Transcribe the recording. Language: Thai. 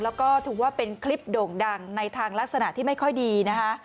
แล้วก็ถือว่าเป็นคลิปโด่งดังในทางลักษณะที่ไม่ค่อยดีนะคะ